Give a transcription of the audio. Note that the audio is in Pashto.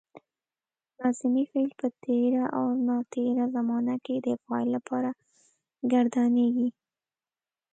لازمي فعل په تېره او ناتېره زمانه کې د فاعل لپاره ګردانیږي.